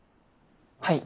はい。